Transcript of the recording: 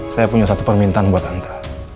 saya punya satu permintaan buat anda